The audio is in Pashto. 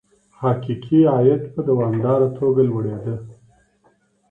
حقيقي عايد په دوامداره توګه لوړېده.